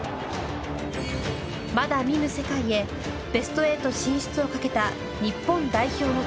まだ見ぬ世界へベスト８進出を懸けた日本代表の挑戦。